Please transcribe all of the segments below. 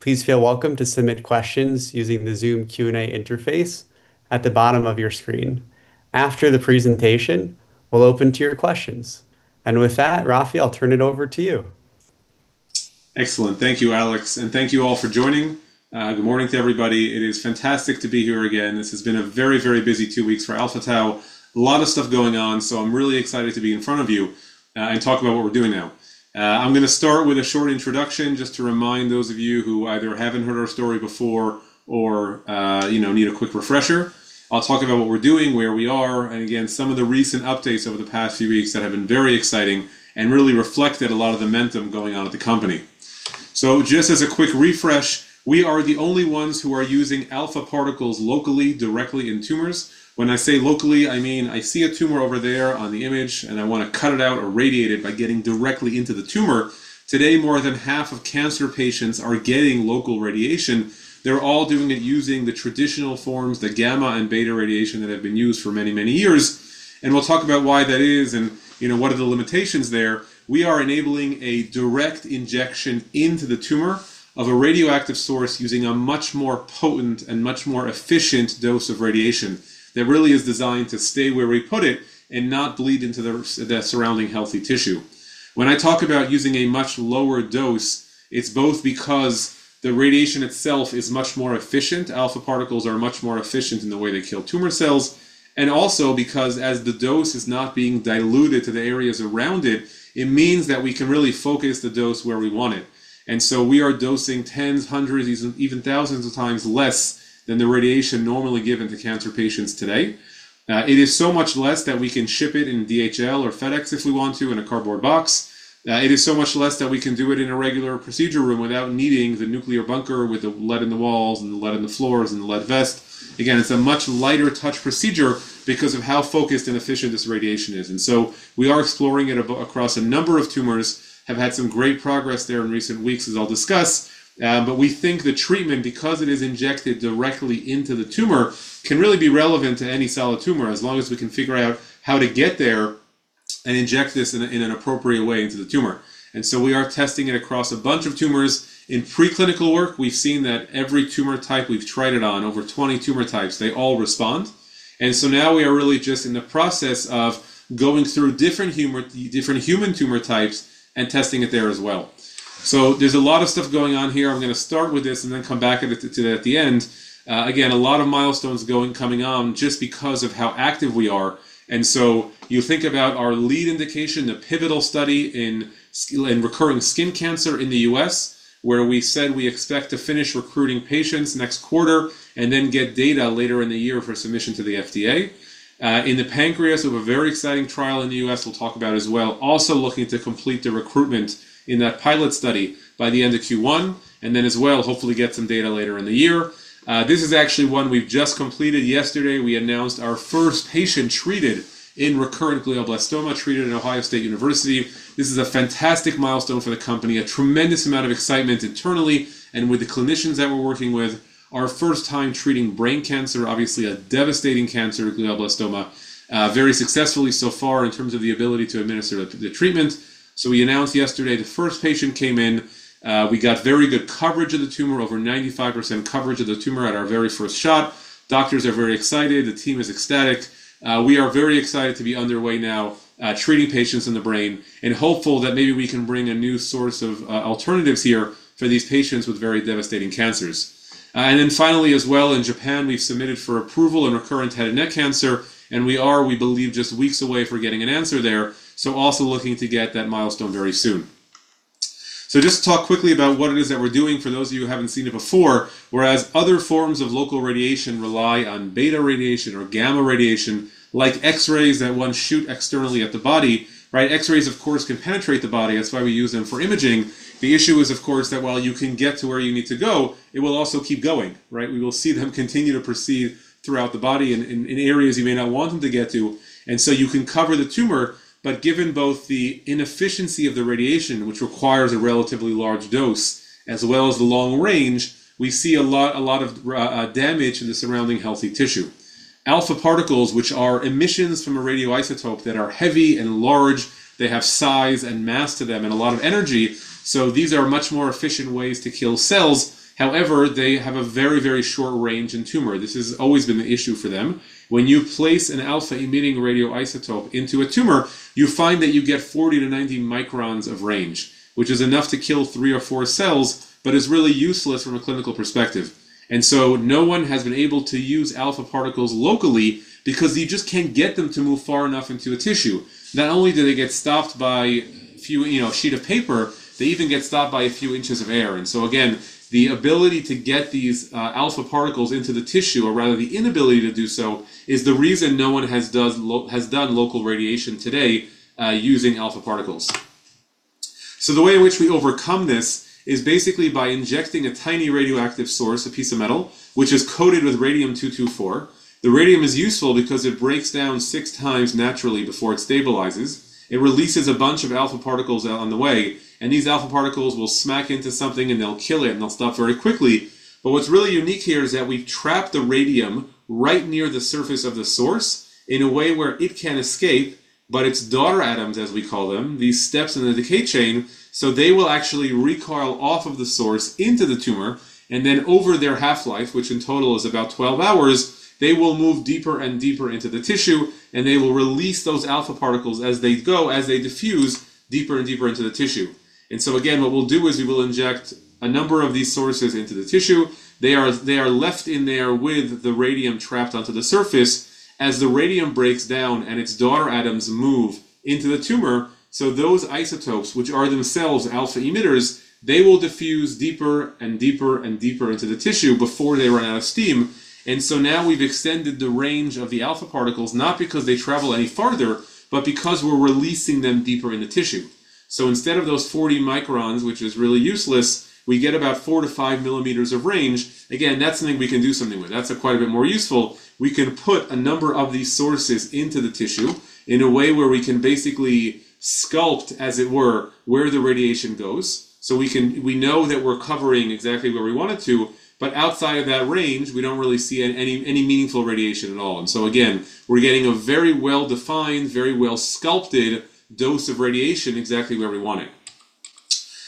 Please feel welcome to submit questions using the Zoom Q&A interface at the bottom of your screen. After the presentation, we'll open to your questions, and with that, Raphi, I'll turn it over to you. Excellent. Thank you, Alex, and thank you all for joining. Good morning to everybody. It is fantastic to be here again. This has been a very, very busy two weeks for Alpha Tau. A lot of stuff going on, so I'm really excited to be in front of you and talk about what we're doing now. I'm going to start with a short introduction just to remind those of you who either haven't heard our story before or need a quick refresher. I'll talk about what we're doing, where we are, and again, some of the recent updates over the past few weeks that have been very exciting and really reflected a lot of the momentum going on at the company, so just as a quick refresh, we are the only ones who are using alpha particles locally, directly in tumors. When I say locally, I mean I see a tumor over there on the image, and I want to cut it out or radiate it by getting directly into the tumor. Today, more than half of cancer patients are getting local radiation. They're all doing it using the traditional forms, the gamma and beta radiation that have been used for many, many years. And we'll talk about why that is and what are the limitations there. We are enabling a direct injection into the tumor of a radioactive source using a much more potent and much more efficient dose of radiation that really is designed to stay where we put it and not bleed into the surrounding healthy tissue. When I talk about using a much lower dose, it's both because the radiation itself is much more efficient, alpha particles are much more efficient in the way they kill tumor cells, and also because as the dose is not being diluted to the areas around it, it means that we can really focus the dose where we want it. And so we are dosing tens, hundreds, even thousands of times less than the radiation normally given to cancer patients today. It is so much less that we can ship it in DHL or FedEx if we want to, in a cardboard box. It is so much less that we can do it in a regular procedure room without needing the nuclear bunker with the lead in the walls and the lead in the floors and the lead vest. Again, it's a much lighter touch procedure because of how focused and efficient this radiation is, and so we are exploring it across a number of tumors, have had some great progress there in recent weeks, as I'll discuss, but we think the treatment, because it is injected directly into the tumor, can really be relevant to any solid tumor as long as we can figure out how to get there and inject this in an appropriate way into the tumor, and so we are testing it across a bunch of tumors. In preclinical work, we've seen that every tumor type we've tried it on, over 20 tumor types, they all respond, and so now we are really just in the process of going through different human tumor types and testing it there as well, so there's a lot of stuff going on here. I'm going to start with this and then come back to that at the end. Again, a lot of milestones coming on just because of how active we are, and so you think about our lead indication, the pivotal study in recurring skin cancer in the U.S., where we said we expect to finish recruiting patients next quarter and then get data later in the year for submission to the FDA. In the pancreas, we have a very exciting trial in the U.S. we'll talk about as well. Also looking to complete the recruitment in that pilot study by the end of Q1 and then as well, hopefully get some data later in the year. This is actually one we've just completed yesterday. We announced our first patient treated in recurrent glioblastoma treated at Ohio State University. This is a fantastic milestone for the company, a tremendous amount of excitement internally and with the clinicians that we're working with. Our first time treating brain cancer, obviously a devastating cancer, glioblastoma, very successfully so far in terms of the ability to administer the treatment, so we announced yesterday the first patient came in. We got very good coverage of the tumor, over 95% coverage of the tumor at our very first shot. Doctors are very excited. The team is ecstatic. We are very excited to be underway now treating patients in the brain and hopeful that maybe we can bring a new source of alternatives here for these patients with very devastating cancers, and then finally as well, in Japan, we've submitted for approval in recurrent head and neck cancer, and we are, we believe, just weeks away from getting an answer there. So also looking to get that milestone very soon. So just to talk quickly about what it is that we're doing for those of you who haven't seen it before, whereas other forms of local radiation rely on beta radiation or gamma radiation, like X-rays that one shoot externally at the body. X-rays, of course, can penetrate the body. That's why we use them for imaging. The issue is, of course, that while you can get to where you need to go, it will also keep going. We will see them continue to proceed throughout the body in areas you may not want them to get to. And so you can cover the tumor, but given both the inefficiency of the radiation, which requires a relatively large dose, as well as the long range, we see a lot of damage in the surrounding healthy tissue. Alpha particles, which are emissions from a radioisotope that are heavy and large, they have size and mass to them and a lot of energy. So these are much more efficient ways to kill cells. However, they have a very, very short range in tumor. This has always been the issue for them. When you place an alpha-emitting radioisotope into a tumor, you find that you get 40-90 microns of range, which is enough to kill three or four cells, but is really useless from a clinical perspective. And so no one has been able to use alpha particles locally because you just can't get them to move far enough into a tissue. Not only do they get stopped by a sheet of paper, they even get stopped by a few inches of air. And so again, the ability to get these alpha particles into the tissue, or rather the inability to do so, is the reason no one has done local radiation today using alpha particles. So the way in which we overcome this is basically by injecting a tiny radioactive source, a piece of metal, which is coated with Radium-224. The radium is useful because it breaks down six times naturally before it stabilizes. It releases a bunch of alpha particles out on the way, and these alpha particles will smack into something and they'll kill it and they'll stop very quickly. But what's really unique here is that we've trapped the radium right near the surface of the source in a way where it can escape, but its daughter atoms, as we call them, these steps in the decay chain, so they will actually recoil off of the source into the tumor. And then over their half-life, which in total is about 12 hours, they will move deeper and deeper into the tissue, and they will release those alpha particles as they go, as they diffuse deeper and deeper into the tissue. And so again, what we'll do is we will inject a number of these sources into the tissue. They are left in there with the radium trapped onto the surface. As the radium breaks down and its daughter atoms move into the tumor, so those isotopes, which are themselves alpha emitters, they will diffuse deeper and deeper and deeper into the tissue before they run out of steam. And so now we've extended the range of the alpha particles, not because they travel any farther, but because we're releasing them deeper in the tissue. So instead of those 40 microns, which is really useless, we get about four to five millimeters of range. Again, that's something we can do something with. That's quite a bit more useful. We can put a number of these sources into the tissue in a way where we can basically sculpt, as it were, where the radiation goes. So we know that we're covering exactly where we want it to, but outside of that range, we don't really see any meaningful radiation at all. And so again, we're getting a very well-defined, very well-sculpted dose of radiation exactly where we want it.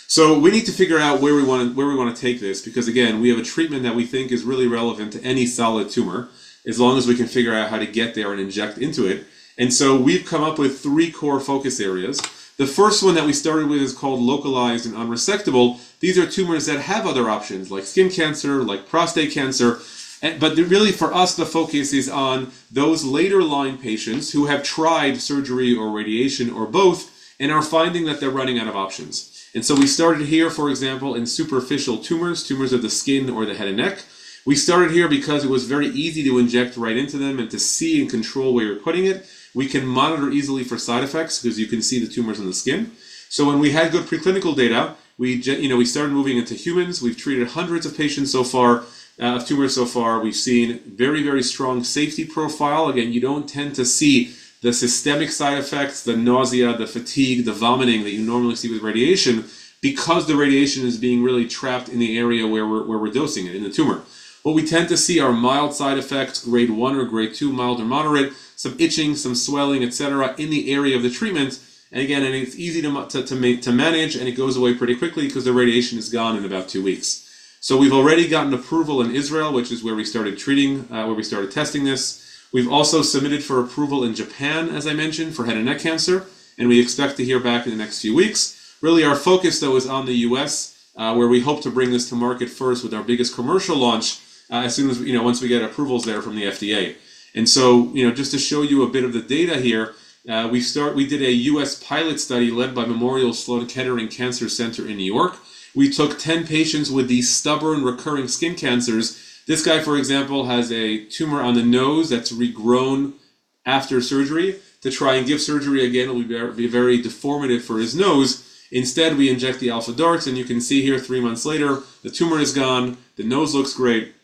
So we need to figure out where we want to take this because, again, we have a treatment that we think is really relevant to any solid tumor, as long as we can figure out how to get there and inject into it. And so we've come up with three core focus areas. The first one that we started with is called localized and unresectable. These are tumors that have other options, like skin cancer, like prostate cancer. But really, for us, the focus is on those later-line patients who have tried surgery or radiation or both and are finding that they're running out of options. And so we started here, for example, in superficial tumors, tumors of the skin or the head and neck. We started here because it was very easy to inject right into them and to see and control where you're putting it. We can monitor easily for side effects because you can see the tumors in the skin. So when we had good preclinical data, we started moving into humans. We've treated hundreds of patients so far, of tumors so far. We've seen very, very strong safety profile. Again, you don't tend to see the systemic side effects, the nausea, the fatigue, the vomiting that you normally see with radiation because the radiation is being really trapped in the area where we're dosing it in the tumor. What we tend to see are mild side effects, Grade 1 or Grade 2, mild to moderate, some itching, some swelling, et cetera, in the area of the treatment. And again, it's easy to manage, and it goes away pretty quickly because the radiation is gone in about two weeks, so we've already gotten approval in Israel, which is where we started treating, where we started testing this. We've also submitted for approval in Japan, as I mentioned, for head and neck cancer, and we expect to hear back in the next few weeks. Really, our focus, though, is on the U.S., where we hope to bring this to market first with our biggest commercial launch as soon as, once we get approvals there from the FDA, and so just to show you a bit of the data here, we did a U.S. pilot study led by Memorial Sloan Kettering Cancer Center in New York. We took 10 patients with these stubborn recurring skin cancers. This guy, for example, has a tumor on the nose that's regrown after surgery. To try and give surgery again will be very deforming for his nose. Instead, we inject the Alpha DaRTs, and you can see here, three months later, the tumor is gone, the nose looks great.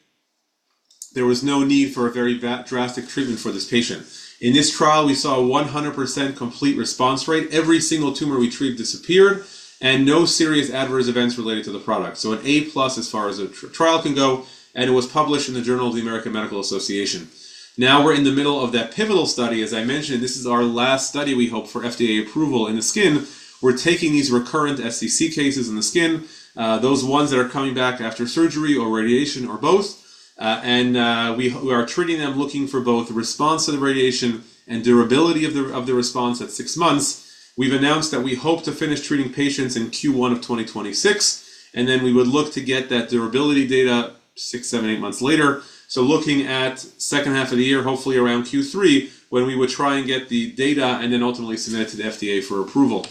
There was no need for a very drastic treatment for this patient. In this trial, we saw a 100% complete response rate. Every single tumor we treated disappeared, and no serious adverse events related to the product. So an A plus as far as a trial can go, and it was published in the Journal of the American Medical Association. Now we're in the middle of that pivotal study. As I mentioned, this is our last study, we hope, for FDA approval in the skin. We're taking these recurrent SCC cases in the skin, those ones that are coming back after surgery or radiation or both, and we are treating them looking for both the response to the radiation and durability of the response at six months. We've announced that we hope to finish treating patients in Q1 of 2026, and then we would look to get that durability data six, seven, eight months later. So looking at second half of the year, hopefully around Q3, when we would try and get the data and then ultimately submit it to the FDA for approval.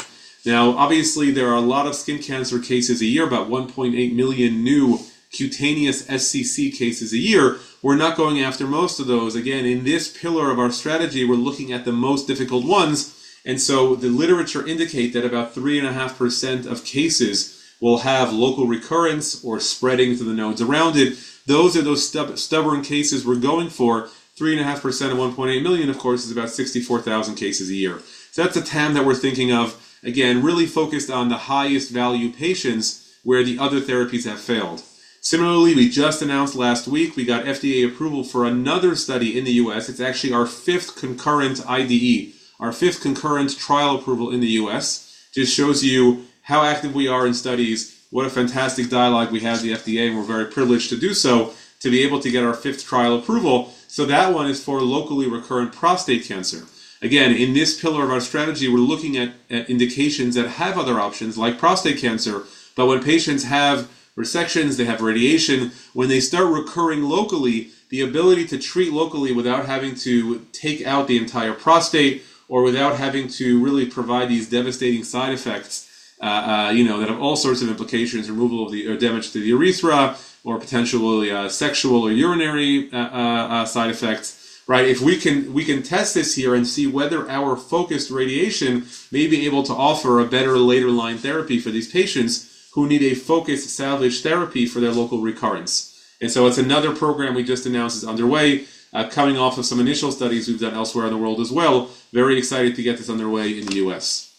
Now, obviously, there are a lot of skin cancer cases a year, about 1.8 million new cutaneous SCC cases a year. We're not going after most of those. Again, in this pillar of our strategy, we're looking at the most difficult ones. The literature indicates that about 3.5% of cases will have local recurrence or spreading to the nodes around it. Those are those stubborn cases we're going for. 3.5% of 1.8 million, of course, is about 64,000 cases a year. That's a time that we're thinking of, again, really focused on the highest value patients where the other therapies have failed. Similarly, we just announced last week, we got FDA approval for another study in the U.S. It's actually our fifth concurrent IDE, our fifth concurrent trial approval in the U.S. Just shows you how active we are in studies, what a fantastic dialogue we have with the FDA, and we're very privileged to do so, to be able to get our fifth trial approval. That one is for locally recurrent prostate cancer. Again, in this pillar of our strategy, we're looking at indications that have other options, like prostate cancer, but when patients have resections, they have radiation. When they start recurring locally, the ability to treat locally without having to take out the entire prostate or without having to really provide these devastating side effects that have all sorts of implications, removal of the damage to the urethra or potentially sexual or urinary side effects. If we can test this here and see whether our focused radiation may be able to offer a better later-line therapy for these patients who need a focused salvage therapy for their local recurrence, and so it's another program we just announced is underway, coming off of some initial studies we've done elsewhere in the world as well. Very excited to get this underway in the U.S.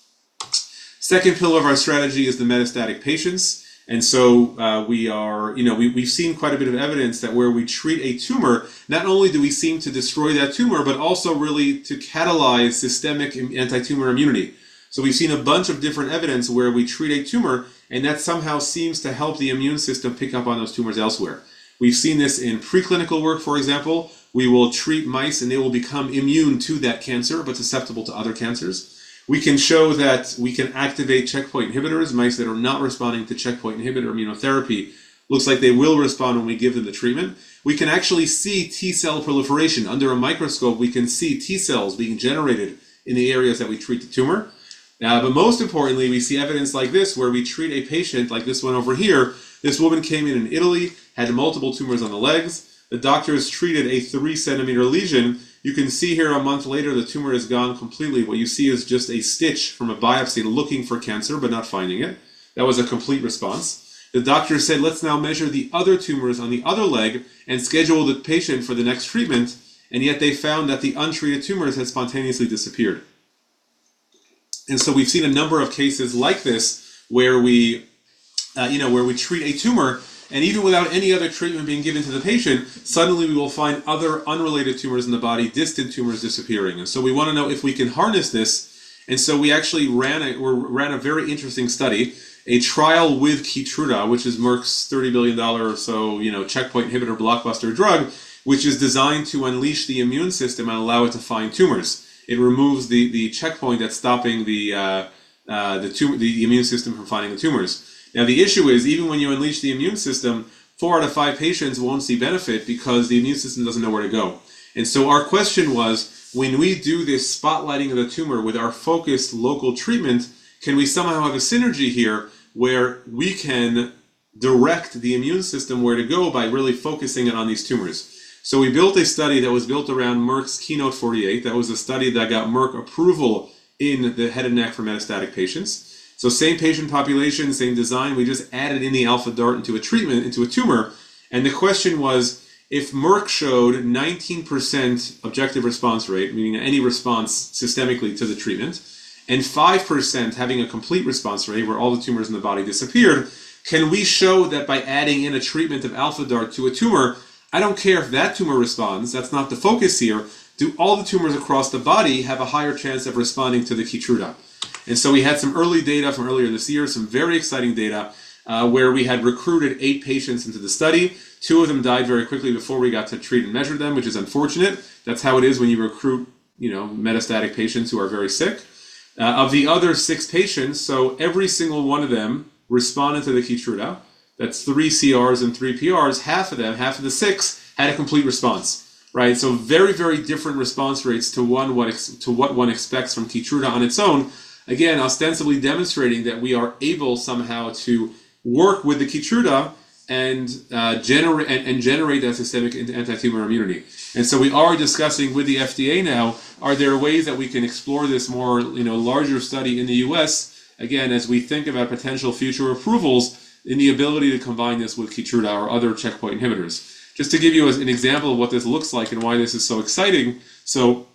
Second pillar of our strategy is the metastatic patients. And so we've seen quite a bit of evidence that where we treat a tumor, not only do we seem to destroy that tumor, but also really to catalyze systemic anti-tumor immunity. So we've seen a bunch of different evidence where we treat a tumor, and that somehow seems to help the immune system pick up on those tumors elsewhere. We've seen this in preclinical work, for example. We will treat mice, and they will become immune to that cancer, but susceptible to other cancers. We can show that we can activate checkpoint inhibitors. Mice that are not responding to checkpoint inhibitor immunotherapy looks like they will respond when we give them the treatment. We can actually see T cell proliferation under a microscope. We can see T cells being generated in the areas that we treat the tumor. But most importantly, we see evidence like this where we treat a patient like this one over here. This woman came in in Italy, had multiple tumors on the legs. The doctors treated a three-centimeter lesion. You can see here a month later, the tumor has gone completely. What you see is just a stitch from a biopsy looking for cancer, but not finding it. That was a complete response. The doctor said, "Let's now measure the other tumors on the other leg and schedule the patient for the next treatment," and yet they found that the untreated tumors had spontaneously disappeared, and so we've seen a number of cases like this where we treat a tumor, and even without any other treatment being given to the patient, suddenly we will find other unrelated tumors in the body, distant tumors disappearing. And so we want to know if we can harness this. And so we actually ran a very interesting study, a trial with Keytruda, which is Merck's $30 billion or so checkpoint inhibitor blockbuster drug, which is designed to unleash the immune system and allow it to find tumors. It removes the checkpoint that's stopping the immune system from finding the tumors. Now, the issue is, even when you unleash the immune system, four out of five patients won't see benefit because the immune system doesn't know where to go. And so our question was, when we do this spotlighting of the tumor with our focused local treatment, can we somehow have a synergy here where we can direct the immune system where to go by really focusing it on these tumors? So we built a study that was built around Merck's KEYNOTE-048. That was a study that got Merck approval in the head and neck for metastatic patients. So same patient population, same design. We just added in the Alpha DaRT into a treatment, into a tumor. And the question was, if Merck showed 19% objective response rate, meaning any response systemically to the treatment, and 5% having a complete response rate where all the tumors in the body disappeared, can we show that by adding in a treatment of Alpha DaRT to a tumor, I don't care if that tumor responds, that's not the focus here, do all the tumors across the body have a higher chance of responding to the Keytruda? And so we had some early data from earlier this year, some very exciting data where we had recruited eight patients into the study. Two of them died very quickly before we got to treat and measure them, which is unfortunate. That's how it is when you recruit metastatic patients who are very sick. Of the other six patients, so every single one of them responded to the Keytruda, that's three CRs and three PRs. Half of them, half of the six, had a complete response, so very, very different response rates to what one expects from Keytruda on its own. Again, ostensibly demonstrating that we are able somehow to work with the Keytruda and generate that systemic anti-tumor immunity, and so we are discussing with the FDA now, are there ways that we can explore this more larger study in the U.S.? Again, as we think about potential future approvals in the ability to combine this with Keytruda or other checkpoint inhibitors. Just to give you an example of what this looks like and why this is so exciting. So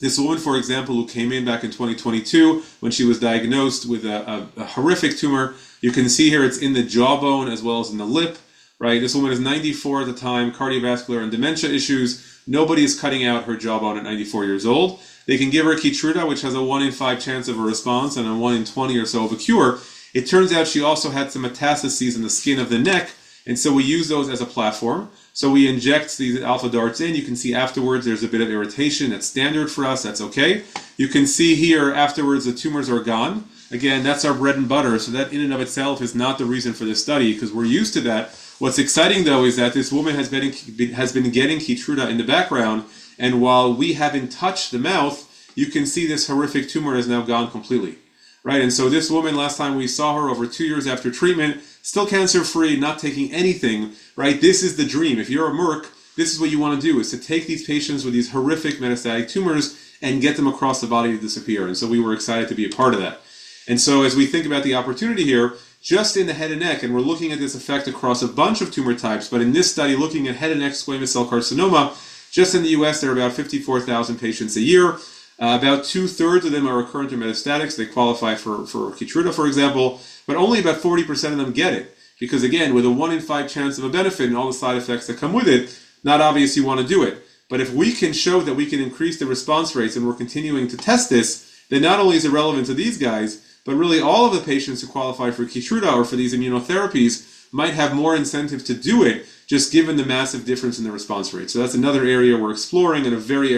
this woman, for example, who came in back in 2022 when she was diagnosed with a horrific tumor, you can see here it's in the jawbone as well as in the lip. This woman is 94 at the time, cardiovascular and dementia issues. Nobody is cutting out her jawbone at 94 years old. They can give her Keytruda, which has a one in five chance of a response and a one in 20 or so of a cure. It turns out she also had some metastases in the skin of the neck, and so we use those as a platform. So we inject these Alpha DaRTs in. You can see afterwards there's a bit of irritation. That's standard for us. That's okay. You can see here afterwards the tumors are gone. Again, that's our bread and butter. So that in and of itself is not the reason for this study because we're used to that. What's exciting, though, is that this woman has been getting Keytruda in the background, and while we haven't touched the mouth, you can see this horrific tumor has now gone completely. And so this woman, last time we saw her over two years after treatment, still cancer-free, not taking anything. This is the dream. If you're a Merck, this is what you want to do, is to take these patients with these horrific metastatic tumors and get them across the body to disappear. And so we were excited to be a part of that. And so as we think about the opportunity here, just in the head and neck, and we're looking at this effect across a bunch of tumor types, but in this study looking at head and neck squamous cell carcinoma, just in the U.S., there are about 54,000 patients a year. About two-thirds of them are recurrent or metastatic. They qualify for Keytruda, for example, but only about 40% of them get it because, again, with a one in five chance of a benefit and all the side effects that come with it, not obvious you want to do it. But if we can show that we can increase the response rates and we're continuing to test this, then not only is it relevant to these guys, but really all of the patients who qualify for Keytruda or for these immunotherapies might have more incentive to do it just given the massive difference in the response rate. So that's another area we're exploring and a very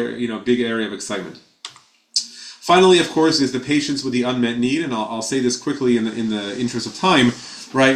big area of excitement. Finally, of course, is the patients with the unmet need, and I'll say this quickly in the interest of time.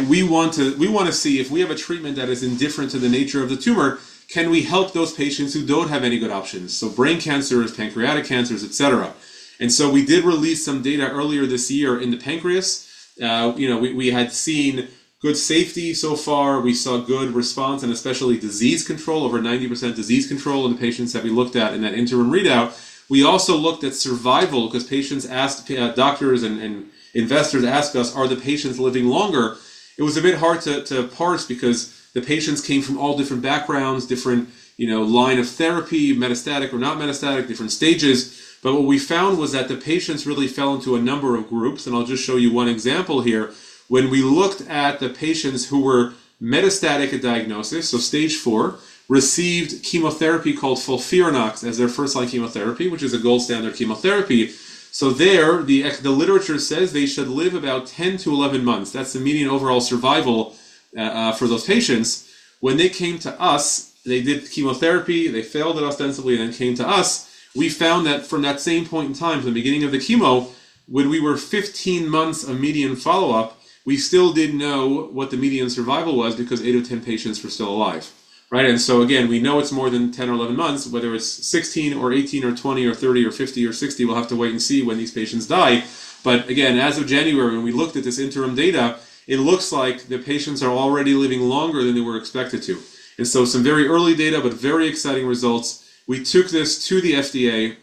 We want to see if we have a treatment that is indifferent to the nature of the tumor, can we help those patients who don't have any good options? So brain cancers, pancreatic cancers, et cetera. And so we did release some data earlier this year in the pancreas. We had seen good safety so far. We saw good response and especially disease control, over 90% disease control in the patients that we looked at in that interim readout. We also looked at survival because patients asked, doctors and investors asked us, are the patients living longer? It was a bit hard to parse because the patients came from all different backgrounds, different line of therapy, metastatic or not metastatic, different stages. But what we found was that the patients really fell into a number of groups, and I'll just show you one example here. When we looked at the patients who were metastatic at diagnosis, so Stage 4, received chemotherapy called FOLFIRINOX as their first-line chemotherapy, which is a gold standard chemotherapy. So there, the literature says they should live about 10-11 months. That's the median overall survival for those patients. When they came to us, they did chemotherapy, they failed it ostensibly, and then came to us. We found that from that same point in time, from the beginning of the chemo, when we were 15 months of median follow-up, we still didn't know what the median survival was because eight or 10 patients were still alive, and so again, we know it's more than 10 or 11 months, whether it's 16 or 18 or 20 or 30 or 50 or 60, we'll have to wait and see when these patients die, but again, as of January, when we looked at this interim data, it looks like the patients are already living longer than they were expected to, and so some very early data, but very exciting results. We took this to the FDA,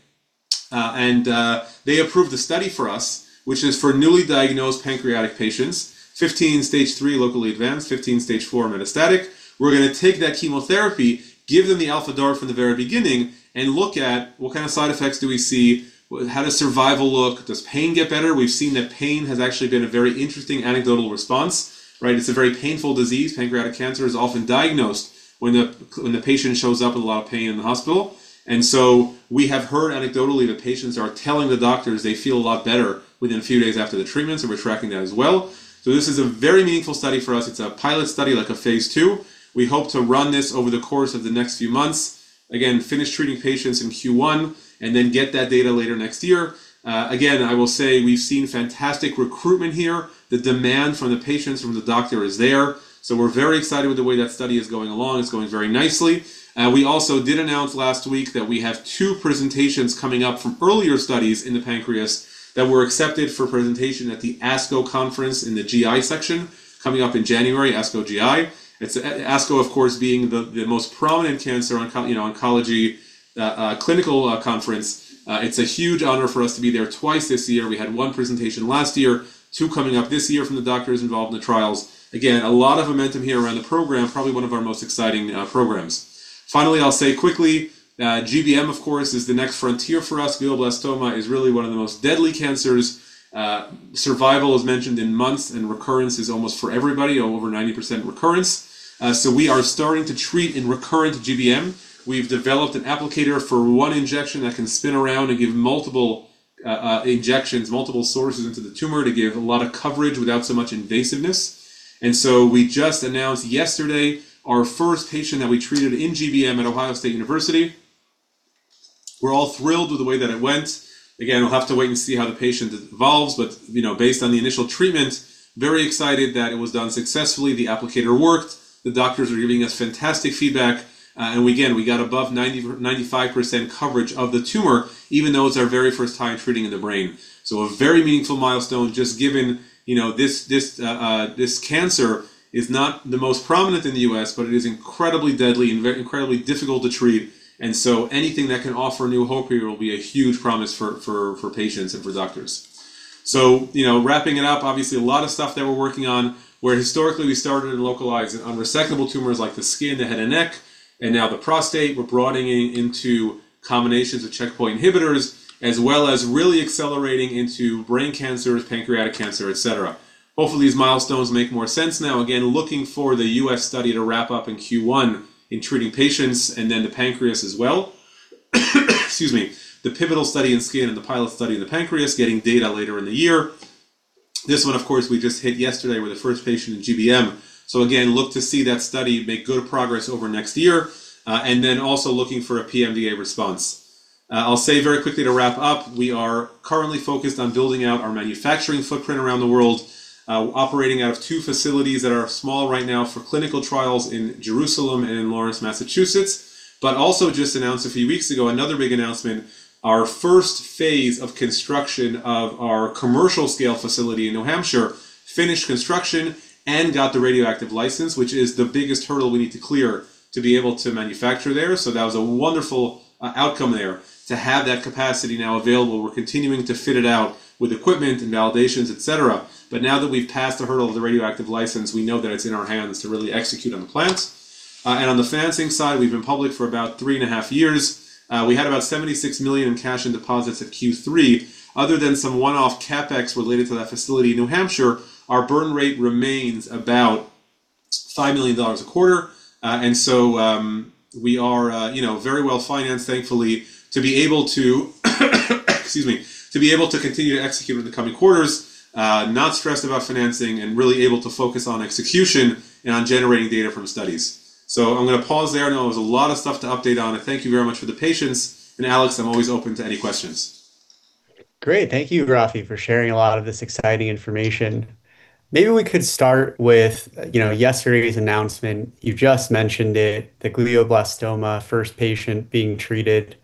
and they approved the study for us, which is for newly diagnosed pancreatic patients, 15 Stage 3 locally advanced, 15 Stage 4 metastatic. We're going to take that chemotherapy, give them the Alpha DaRT from the very beginning, and look at what kind of side effects do we see? How does survival look? Does pain get better? We've seen that pain has actually been a very interesting anecdotal response. It's a very painful disease. Pancreatic cancer is often diagnosed when the patient shows up with a lot of pain in the hospital. And so we have heard anecdotally that patients are telling the doctors they feel a lot better within a few days after the treatment, so we're tracking that as well. So this is a very meaningful study for us. It's a pilot study, like a phase II. We hope to run this over the course of the next few months, again, finish treating patients in Q1, and then get that data later next year. Again, I will say we've seen fantastic recruitment here. The demand from the patients, from the doctor is there. So we're very excited with the way that study is going along. It's going very nicely. We also did announce last week that we have two presentations coming up from earlier studies in the pancreas that were accepted for presentation at the ASCO conference in the GI section coming up in January, ASCO GI. ASCO, of course, being the most prominent cancer oncology clinical conference. It's a huge honor for us to be there twice this year. We had one presentation last year, two coming up this year from the doctors involved in the trials. Again, a lot of momentum here around the program, probably one of our most exciting programs. Finally, I'll say quickly, GBM, of course, is the next frontier for us. Glioblastoma is really one of the most deadly cancers. Survival is mentioned in months, and recurrence is almost for everybody, over 90% recurrence. So we are starting to treat in recurrent GBM. We've developed an applicator for one injection that can spin around and give multiple injections, multiple sources into the tumor to give a lot of coverage without so much invasiveness, and so we just announced yesterday our first patient that we treated in GBM at Ohio State University. We're all thrilled with the way that it went. Again, we'll have to wait and see how the patient evolves, but based on the initial treatment, very excited that it was done successfully. The applicator worked. The doctors are giving us fantastic feedback, and again, we got above 95% coverage of the tumor, even though it's our very first time treating in the brain, so a very meaningful milestone just given this cancer is not the most prominent in the U.S., but it is incredibly deadly and incredibly difficult to treat, and so anything that can offer new hope here will be a huge promise for patients and for doctors, so wrapping it up, obviously, a lot of stuff that we're working on, where historically we started in localized and unresectable tumors like the skin, the head and neck, and now the prostate, we're broadening into combinations of checkpoint inhibitors, as well as really accelerating into brain cancers, pancreatic cancer, et cetera. Hopefully, these milestones make more sense now. Again, looking for the U.S. study to wrap up in Q1 in treating patients and then the pancreas as well. Excuse me, the pivotal study in skin and the pilot study in the pancreas getting data later in the year. This one, of course, we just hit yesterday with the first patient in GBM. So again, look to see that study make good progress over next year. And then also looking for a PMDA response. I'll say very quickly to wrap up, we are currently focused on building out our manufacturing footprint around the world, operating out of two facilities that are small right now for clinical trials in Jerusalem and in Lawrence, Massachusetts. But also just announced a few weeks ago, another big announcement, our first phase of construction of our commercial scale facility in New Hampshire finished construction and got the radioactive license, which is the biggest hurdle we need to clear to be able to manufacture there. So that was a wonderful outcome there to have that capacity now available. We're continuing to fit it out with equipment and validations, et cetera. But now that we've passed the hurdle of the radioactive license, we know that it's in our hands to really execute on the plants. And on the financing side, we've been public for about three and a half years. We had about $76 million in cash and deposits at Q3. Other than some one-off CapEx related to that facility in New Hampshire, our burn rate remains about $5 million a quarter. And so we are very well financed, thankfully, to be able to, excuse me, to be able to continue to execute in the coming quarters, not stressed about financing, and really able to focus on execution and on generating data from studies. So I'm going to pause there. I know there was a lot of stuff to update on. And thank you very much for the patience. And Alex, I'm always open to any questions. Great. Thank you, Raphi, for sharing a lot of this exciting information. Maybe we could start with yesterday's announcement. You just mentioned it, the glioblastoma first patient being treated.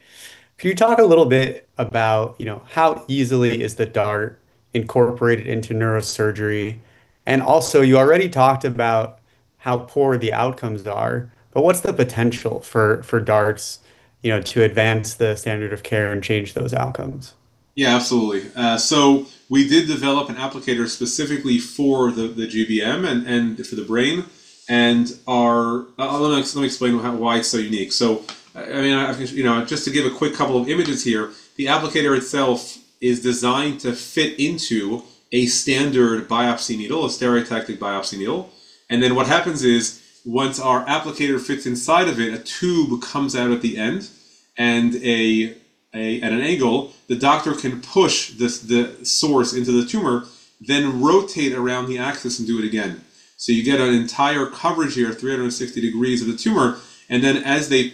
Can you talk a little bit about how easily is the dart incorporated into neurosurgery? And also, you already talked about how poor the outcomes are, but what's the potential for darts to advance the standard of care and change those outcomes? Yeah, absolutely. So we did develop an applicator specifically for the GBM and for the brain. And let me explain why it's so unique. So I mean, just to give a quick couple of images here, the applicator itself is designed to fit into a standard biopsy needle, a stereotactic biopsy needle. And then what happens is once our applicator fits inside of it, a tube comes out at the end and at an angle, the doctor can push the source into the tumor, then rotate around the axis and do it again. So you get an entire coverage here, 360 degrees of the tumor. And then as they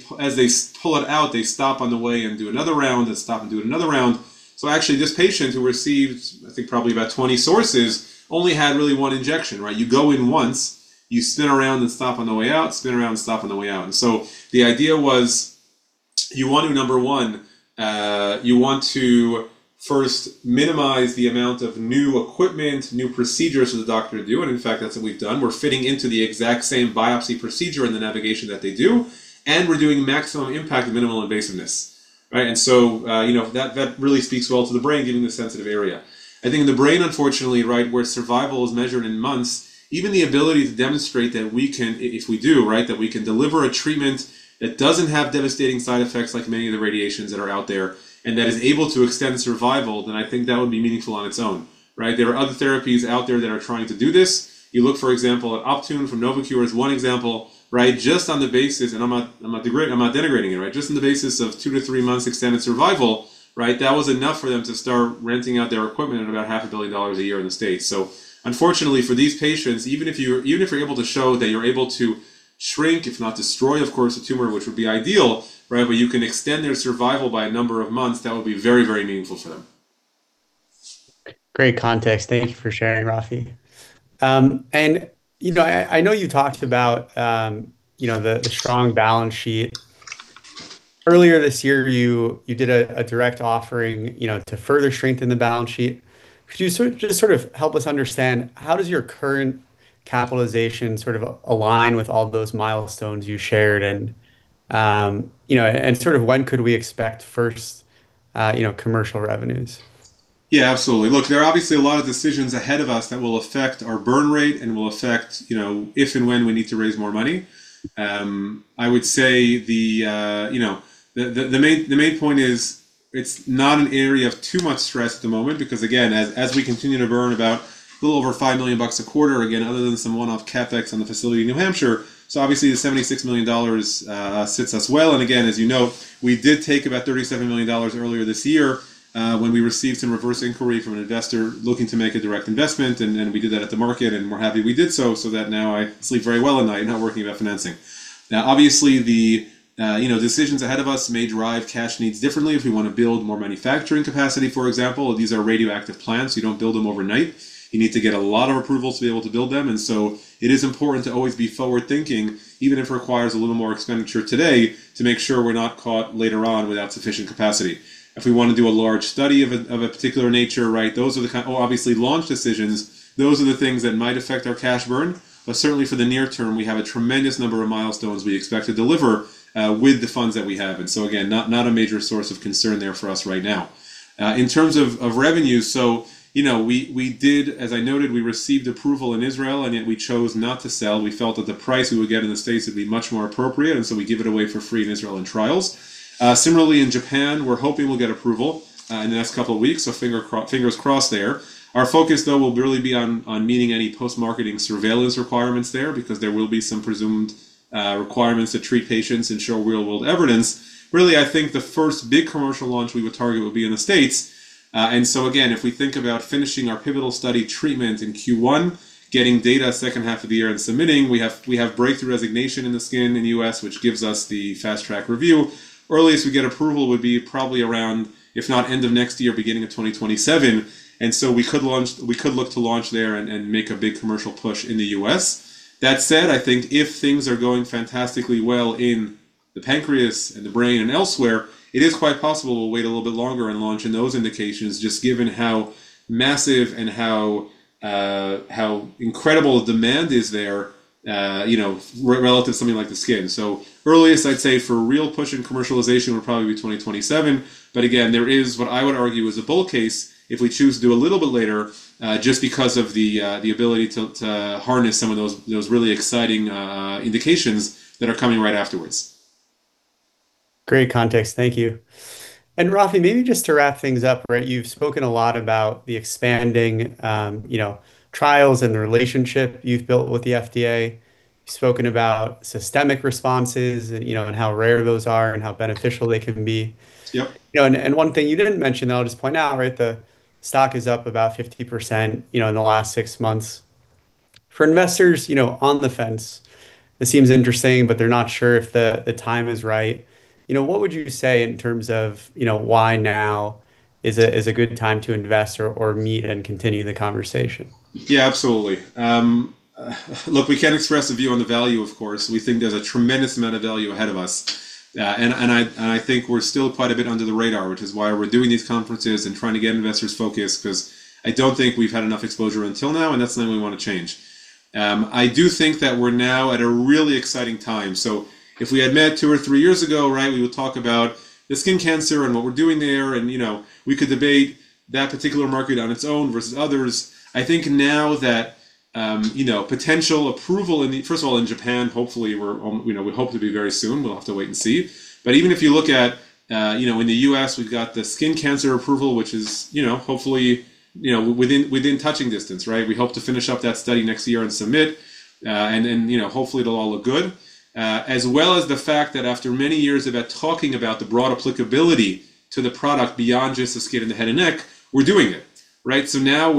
pull it out, they stop on the way and do another round and stop and do another round. So actually, this patient who received, I think, probably about 20 sources only had really one injection. You go in once, you spin around and stop on the way out, spin around and stop on the way out. And so the idea was you want to, number one, you want to first minimize the amount of new equipment, new procedures for the doctor to do. And in fact, that's what we've done. We're fitting into the exact same biopsy procedure and the navigation that they do, and we're doing maximum impact and minimal invasiveness. And so that really speaks well to the brain, giving the sensitive area. I think in the brain, unfortunately, where survival is measured in months, even the ability to demonstrate that we can, if we do, that we can deliver a treatment that doesn't have devastating side effects like many of the radiations that are out there and that is able to extend survival, then I think that would be meaningful on its own. There are other therapies out there that are trying to do this. You look, for example, at Optune from Novocure as one example, just on the basis, and I'm not denigrating it, just on the basis of two to three months extended survival, that was enough for them to start renting out their equipment at about $500 million a year in the States. So unfortunately, for these patients, even if you're able to show that you're able to shrink, if not destroy, of course, the tumor, which would be ideal, but you can extend their survival by a number of months, that would be very, very meaningful for them. Great context. Thank you for sharing, Raphi. And I know you talked about the strong balance sheet. Earlier this year, you did a direct offering to further strengthen the balance sheet. Could you just sort of help us understand how does your current capitalization sort of align with all those milestones you shared? And sort of when could we expect first commercial revenues? Yeah, absolutely. Look, there are obviously a lot of decisions ahead of us that will affect our burn rate and will affect if and when we need to raise more money. I would say the main point is it's not an area of too much stress at the moment because, again, as we continue to burn about a little over $5 million a quarter, again, other than some one-off CapEx on the facility in New Hampshire, so obviously, the $76 million sits us well, and again, as you know, we did take about $37 million earlier this year when we received some reverse inquiry from an investor looking to make a direct investment, and we did that at the market, and we're happy we did so so that now I sleep very well at night and not worrying about financing, now obviously, the decisions ahead of us may drive cash needs differently if we want to build more manufacturing capacity, for example. These are radioactive plants. You don't build them overnight. You need to get a lot of approvals to be able to build them. And so it is important to always be forward-thinking, even if it requires a little more expenditure today, to make sure we're not caught later on without sufficient capacity. If we want to do a large study of a particular nature, those are the kind of, oh, obviously, launch decisions. Those are the things that might affect our cash burn. But certainly, for the near term, we have a tremendous number of milestones we expect to deliver with the funds that we have. And so again, not a major source of concern there for us right now. In terms of revenue, so we did, as I noted, we received approval in Israel, and yet we chose not to sell. We felt that the price we would get in the States would be much more appropriate, and so we give it away for free in Israel in trials. Similarly, in Japan, we're hoping we'll get approval in the next couple of weeks, so fingers crossed there. Our focus, though, will really be on meeting any post-marketing surveillance requirements there because there will be some presumed requirements to treat patients, ensure real-world evidence. Really, I think the first big commercial launch we would target would be in the States, and so again, if we think about finishing our pivotal study treatment in Q1, getting data second half of the year and submitting, we have breakthrough designation in the skin in the U.S., which gives us the fast-track review. Earliest we get approval would be probably around, if not end of next year, beginning of 2027. And so we could look to launch there and make a big commercial push in the U.S. That said, I think if things are going fantastically well in the pancreas and the brain and elsewhere, it is quite possible we'll wait a little bit longer and launch in those indications, just given how massive and how incredible demand is there relative to something like the skin. So earliest, I'd say for real push in commercialization would probably be 2027. But again, there is what I would argue is a bull case if we choose to do a little bit later just because of the ability to harness some of those really exciting indications that are coming right afterwards. Great context. Thank you. And Raphi, maybe just to wrap things up, you've spoken a lot about the expanding trials and the relationship you've built with the FDA. You've spoken about systemic responses and how rare those are and how beneficial they can be, and one thing you didn't mention that I'll just point out, the stock is up about 50% in the last six months. For investors on the fence, it seems interesting, but they're not sure if the time is right. What would you say in terms of why now is a good time to invest or meet and continue the conversation? Yeah, absolutely. Look, we can't express a view on the value, of course. We think there's a tremendous amount of value ahead of us, and I think we're still quite a bit under the radar, which is why we're doing these conferences and trying to get investors focused because I don't think we've had enough exposure until now, and that's something we want to change. I do think that we're now at a really exciting time, so if we had met two or three years ago, we would talk about the skin cancer and what we're doing there, and we could debate that particular market on its own versus others. I think now that potential approval, first of all, in Japan, hopefully, we hope to be very soon. We'll have to wait and see, but even if you look at in the U.S., we've got the skin cancer approval, which is hopefully within touching distance. We hope to finish up that study next year and submit, and hopefully, it'll all look good, as well as the fact that after many years of talking about the broad applicability to the product beyond just the skin and the head and neck, we're doing it, so now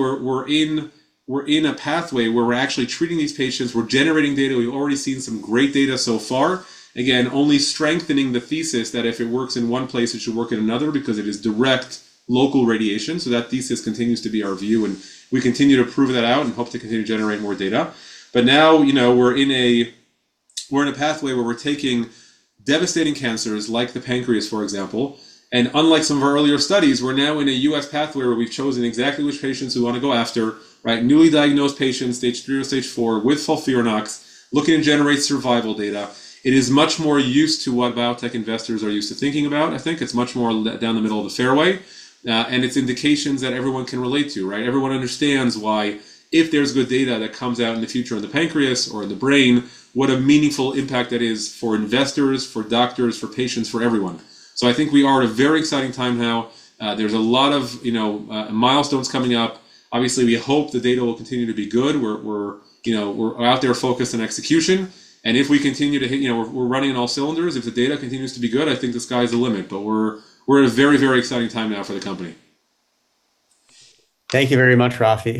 we're in a pathway where we're actually treating these patients. We're generating data. We've already seen some great data so far. Again, only strengthening the thesis that if it works in one place, it should work in another because it is direct local radiation. So that thesis continues to be our view, and we continue to prove that out and hope to continue to generate more data. But now we're in a pathway where we're taking devastating cancers like the pancreas, for example. And unlike some of our earlier studies, we're now in a U.S. pathway where we've chosen exactly which patients we want to go after, newly diagnosed patients, Stage 3 or Stage 4, with FOLFIRINOX, looking to generate survival data. It is much more used to what biotech investors are used to thinking about. I think it's much more down the middle of the fairway, and it's indications that everyone can relate to. Everyone understands why, if there's good data that comes out in the future in the pancreas or in the brain, what a meaningful impact that is for investors, for doctors, for patients, for everyone. So I think we are at a very exciting time now. There's a lot of milestones coming up. Obviously, we hope the data will continue to be good. We're out there focused on execution. And if we continue to hit, we're running in all cylinders. If the data continues to be good, I think the sky is the limit. But we're at a very, very exciting time now for the company. Thank you very much, Raphi.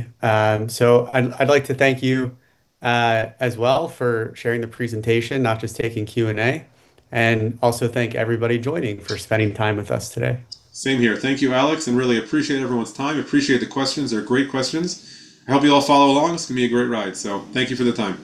So I'd like to thank you as well for sharing the presentation, not just taking Q&A. And also thank everybody joining for spending time with us today. Same here. Thank you, Alex. And really appreciate everyone's time. Appreciate the questions. They're great questions. I hope you all follow along. It's going to be a great ride. So thank you for the time.